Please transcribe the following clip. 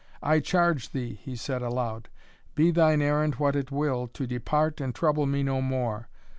"I charge thee," he said aloud, "be thine errand what it will, to depart and trouble me no more!